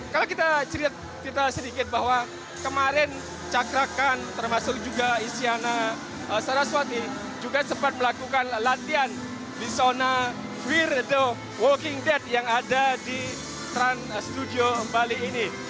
kalau kita cerita sedikit bahwa kemarin cakrakan termasuk juga isyana saraswati juga sempat melakukan latihan di zona wiredo working dead yang ada di trans studio bali ini